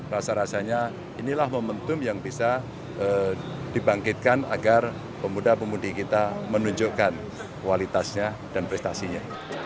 rasa rasanya inilah momentum yang bisa dibangkitkan agar pemuda pemudi kita menunjukkan kualitasnya dan prestasinya